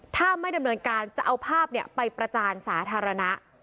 ถ้าไม่ดำเนินการจะเอาภาพไปประจานสาธารณะ